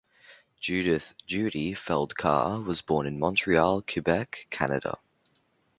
Judith "Judy" Feld Carr was born in Montreal, Quebec, Canada.